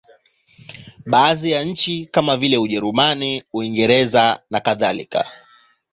Baadhi ya nchi kama vile Ujerumani, Uingereza nakadhalika.